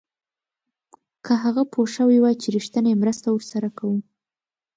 که هغه پوه شوی وای چې رښتینې مرسته ورسره کوو.